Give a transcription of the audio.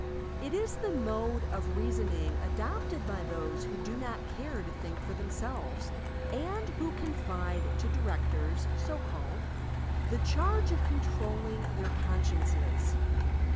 ... It is the mode of reasoning adopted by those who do not care to think for themselves and who confide to directors (so called) the charge of controlling their consciences."